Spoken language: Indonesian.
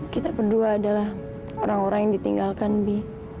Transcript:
kita kedua adalah orang orang yang ditinggalkan bi